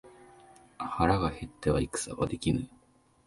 腹が減っては戦はできぬ